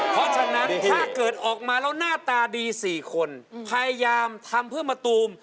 เพราะฉะนั้นถ้าเกิดออกมาแล้วหน้าตาดี๔คนพยายามทำเพื่อมะตูม